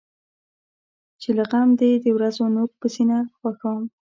چې له غم دی د ورځو نوک په سینه خښوم.